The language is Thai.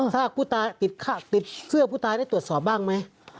ผู้ตายติดเสื้อผู้ตายได้ตรวจสอบบ้างไหม